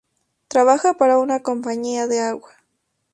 Trabaja para una compañía de agua.